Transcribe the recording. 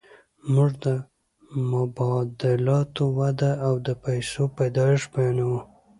موږ د مبادلاتو وده او د پیسو پیدایښت بیانوو